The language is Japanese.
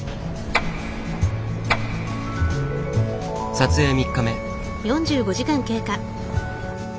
撮影３日目。